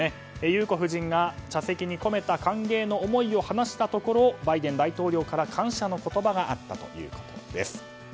裕子夫人が茶席に込めた歓迎の思いを話したところバイデン大統領から感謝の言葉があったということです。